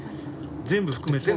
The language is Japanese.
全部含めて？